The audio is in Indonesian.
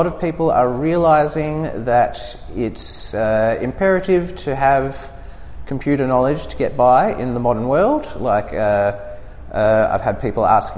sebuah survei terhadap dua orang